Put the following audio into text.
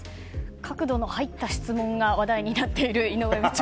角度の入った質問が話題になっている井上部長